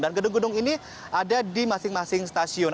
dan gedung gedung ini ada di masing masing stasiun